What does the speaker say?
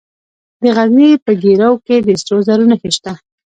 د غزني په ګیرو کې د سرو زرو نښې شته.